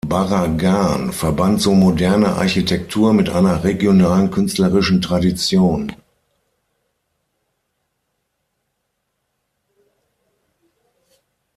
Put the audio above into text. Barragán verband so moderne Architektur mit einer regionalen künstlerischen Tradition.